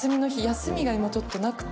休みが今ちょっとなくて。